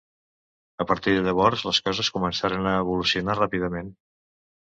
A partir de llavors les coses començaren a evolucionar ràpidament.